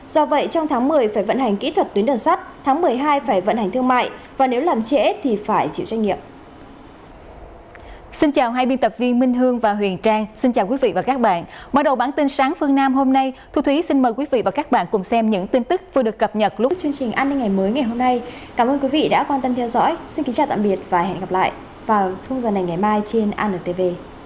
do vậy trong tháng một mươi phải vận hành kỹ thuật tuyến đường sắt tháng một mươi hai phải vận hành thương mại và nếu làm trễ thì phải chịu trách nhiệm